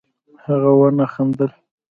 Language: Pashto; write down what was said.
هغه ونه خندل